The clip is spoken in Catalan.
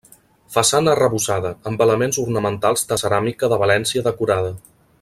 Façana arrebossada, amb elements ornamentals de ceràmica de València decorada.